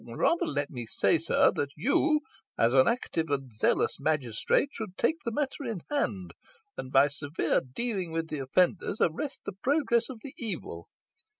Rather let me say, sir, that you, as an active and zealous magistrate, should take the matter in hand, and by severe dealing with the offenders, arrest the progress of the evil.